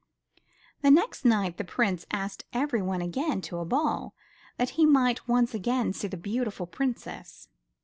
The next night the Prince asked everyone again to a ball that he might once more see the beautiful Princess.